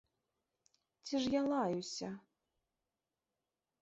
Ці ж я лаюся?